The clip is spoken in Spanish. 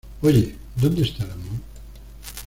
Oye, ¿dónde está el amor?